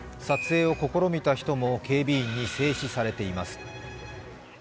撮影を試みた人も警備員に制止されています。